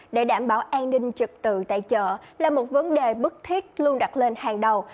để đảm bảo an ninh trực tự tại chợ là một vấn đề bức thiết luôn đặt lên hàng đầu